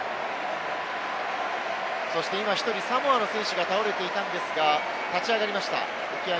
今、１人サモアの選手が倒れていたんですが、立ち上がりました。